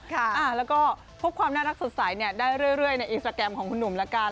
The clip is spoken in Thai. แล้วก็พบความน่ารักสดใสได้เรื่อยในอินสตราแกรมของคุณหนุ่มละกัน